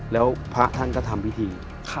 แล้วพระท่านก็ทำพิธี